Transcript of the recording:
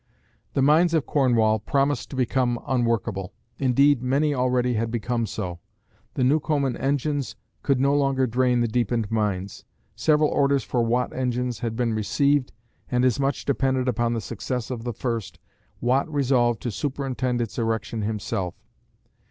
The mines of Cornwall promised to become unworkable; indeed, many already had became so. The Newcomen engines could no longer drain the deepened mines. Several orders for Watt engines had been received, and as much depended upon the success of the first, Watt resolved to superintend its erection himself.